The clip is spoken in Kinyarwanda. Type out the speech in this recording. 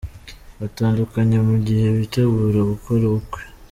Batandukanye mu gihe biteguraga gukora ubukwe.